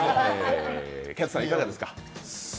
ケツさんいかがですか？